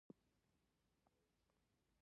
پلار یې د فارک ډلې له لوري وژل شوی و.